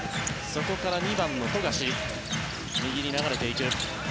そこから２番の富樫右に流れていく。